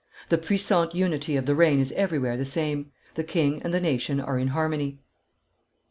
The puissant unity of the reign is everywhere the same. The king and the nation are in harmony.